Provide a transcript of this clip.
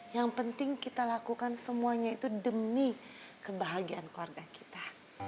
yang penting kita lakukan semuanya itu demi kebahagiaan keluarga kita